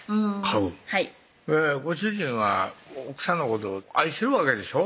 はいご主人は奥さんのことを愛してるわけでしょ？